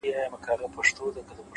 را ايله يې کړه آزار دی جادوگري’